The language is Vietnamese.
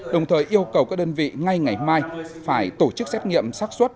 đồng thời yêu cầu các đơn vị ngay ngày mai phải tổ chức xét nghiệm sát xuất